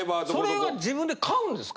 それは自分で買うんですか？